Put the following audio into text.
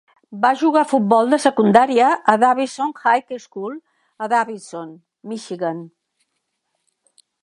Va jugar futbol de secundària a Davison High School a Davison, Michigan.